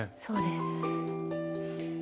そうです。